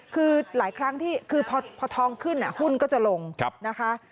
คือหลายครั้งที่คือพอทองขึ้นหุ้นก็จะลงนะคะ